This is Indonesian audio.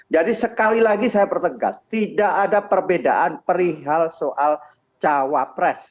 jadi sekali lagi saya bertegas tidak ada perbedaan perihal soal cawa press